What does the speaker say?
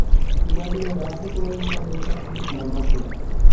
سىلەرنى رازى قىلالمىغان بولساق بىز ناماقۇل.